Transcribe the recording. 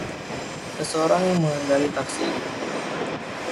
Seseorang yang mengendarai taksi ini.